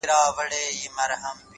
• چي ناڅاپه سوه پیشو دوکان ته پورته,